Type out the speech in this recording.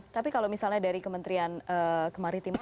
tapi kalau misalnya dari kementerian kemaritiman